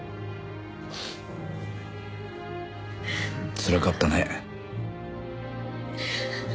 つらかったね。